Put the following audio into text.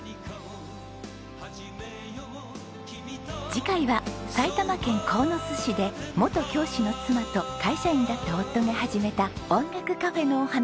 次回は埼玉県鴻巣市で元教師の妻と会社員だった夫が始めた音楽カフェのお話。